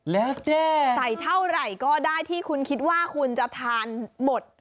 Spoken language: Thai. แล้วใส่เท่าไหร่ก็ได้ที่คุณคิดว่าคุณจะทานหมด